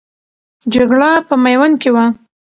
جګړه په میوند کې وه.